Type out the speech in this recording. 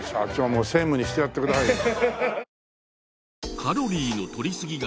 もう専務にしてやってくださいよ。